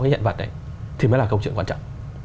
hiện vật thì mới là câu chuyện quan trọng